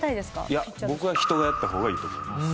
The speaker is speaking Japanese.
いや僕は人がやった方がいいと思います。